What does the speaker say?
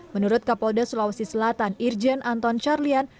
menurut kapolda sulawesi selatan irjen anton carlian